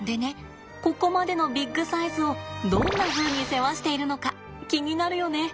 ここまでのビッグサイズをどんなふうに世話しているのか気になるよね。